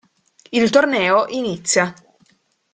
Il torneo inizia.